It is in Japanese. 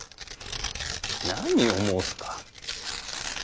何を申すか。